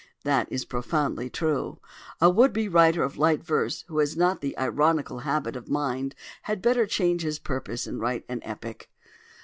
That is profoundly true. A would be writer of light verse who has not an ironical habit of mind had better change his purpose and write an epic.